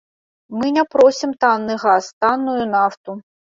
Мы не просім танны газ, танную нафту.